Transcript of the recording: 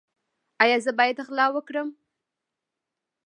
ایا زه باید غلا وکړم؟